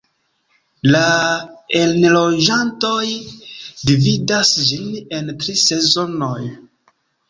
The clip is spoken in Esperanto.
La enloĝantoj dividas ĝin en tri sezonoj.